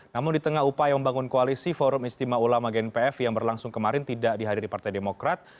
namun di tengah upaya membangun koalisi forum istimewa ulama gnpf yang berlangsung kemarin tidak dihadiri partai demokrat